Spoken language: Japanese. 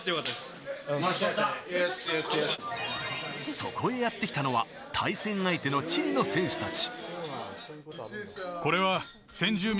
そこへやってきたのは対戦相手のチリの選手たち。